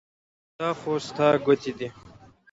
چې دا خو ستا ګوتې دي